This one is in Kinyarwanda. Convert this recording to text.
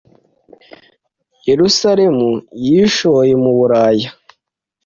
Yerusalemu yishoye mu buraya